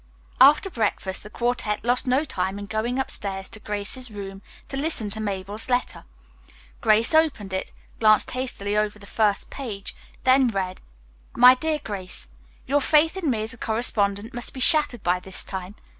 After breakfast, the quartette lost no time in going upstairs to Grace's room to listen to Mabel's letter. Grace opened it, glanced hastily over the first page, then read: "MY DEAR GRACE: "Your faith in me as a correspondent must be shattered by this time.